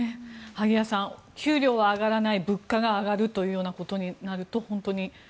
萩谷さん、給料は上がらない物価が上がるということになると本当に。